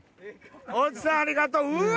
大知さんありがとう。